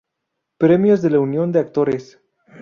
Premios de la Unión de Actores